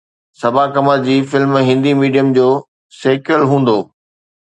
صبا Qamar ji film Hindi medium جو sequel هوندو